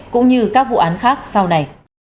cũng như các vụ án khác sau này